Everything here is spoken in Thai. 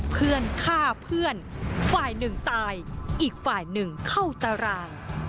เพื่อนฆ่าเพื่อนฝ่ายหนึ่งตายอีกฝ่ายหนึ่งเข้าตาราง